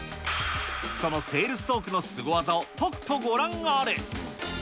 そのセールストークのスゴ技をとくとご覧あれ。